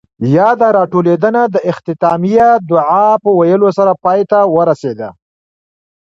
ياده راټولېدنه د اختتامیه دعاء پۀ ويلو سره پای ته ورسېده.